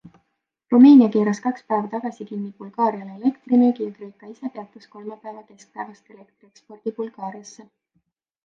Rumeenia keeras kaks päeva tagasi kinni Bulgaariale elektri müügi ja Kreeka ise peatas kolmapäeva keskpäevast elektriekspordi Bulgaariasse.